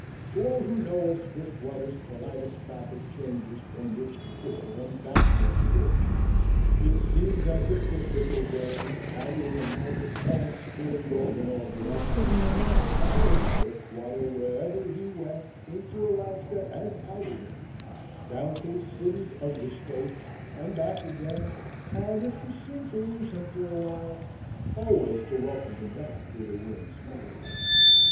To all who know of Swiftwater's kaleidoscopic changes from rich to poor, and back again to rich, it seems as if the fickle Dame, carrying a magic horn spilling gold in all directions, followed Swiftwater wherever he went into Alaska and out again, down to the cities of the States and back again, and, if she seemed to lose him for a while, always to welcome him back with a winning smile.